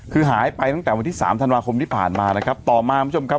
คือหายไปตั้งแต่วันที่สามธันวาคมที่ผ่านมานะครับต่อมาคุณผู้ชมครับ